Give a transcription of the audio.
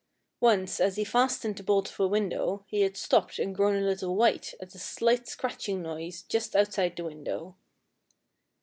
Once, as he fastened the bolt of a window, he had stopped and grown a little white at a slight scratching noise just outside the window."